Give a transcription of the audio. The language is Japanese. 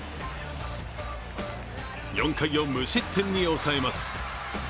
４回を無失点に抑えます。